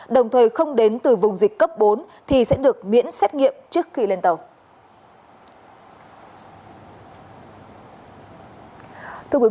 đồng thời không đến từ vùng dịch cấp bốn thì sẽ được miễn xét nghiệm trước khi lên tàu